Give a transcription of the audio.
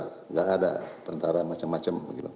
tidak ada tentara macam macam